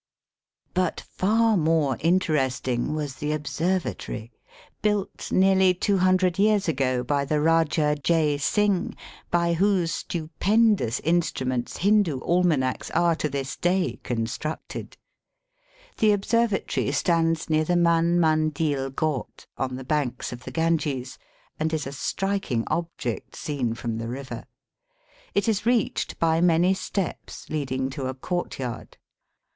But far more interesting was the observa tory, built nearly two hundred years ago by the Eajah Jay Singh, by whose stupendous instru ments Hindoo almanacks are to this day con structed. The observatory stands near the Digitized by VjOOQIC 214 EAST BY WEST. Man Mandil ghat, on the banks of the Ganges, and is a striking object seen from the river. It is reached by many steps leading to a courtyard.